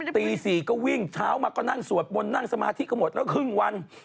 ตี๔ก็วิ่งเช้ามาก็นั่งสวดมนต์นั่งสมาธิก็หมดแล้วครึ่งวัน